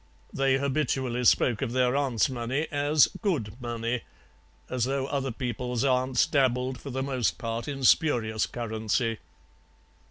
They habitually spoke of their aunt's money as 'good money,' as though other people's aunts dabbled for the most part in spurious currency.